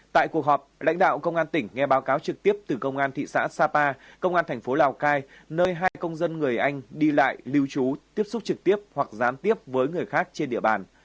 tại cuộc họp lãnh đạo công an tỉnh nghe báo cáo trực tiếp từ công an thị xã sapa công an thành phố lào cai nơi hai công dân người anh đi lại lưu trú tiếp xúc trực tiếp hoặc gián tiếp với người khác trên địa bàn